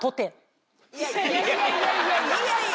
いやいやいや。